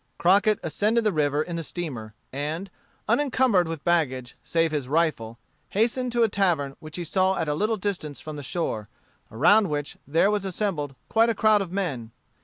Crockett ascended the river in the steamer, and, unencumbered with baggage, save his rifle, hastened to a tavern which he saw at a little distance from the shore, around which there was assembled quite a crowd of men.